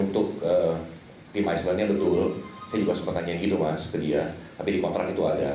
untuk tim islandia betul saya juga sempat tanya gitu mas tapi di kontrak itu ada